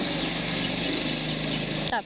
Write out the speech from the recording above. แต่ตอนนี้